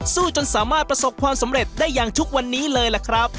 จนสามารถประสบความสำเร็จได้อย่างทุกวันนี้เลยล่ะครับ